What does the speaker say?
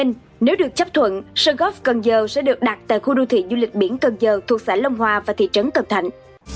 nếu được chấp thuận sơn góp cần giờ sẽ được đặt tại khu đô thị du lịch biển cần giờ thuộc xã long hòa và thị trấn cần thạnh